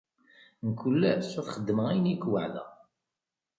Mkul ass, ad xeddmeɣ ayen i ak-weɛdeɣ.